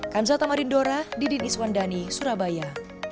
kamsa tamarindora didi niswandani surabaya